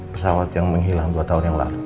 pesawat yang menghilang dua tahun yang lalu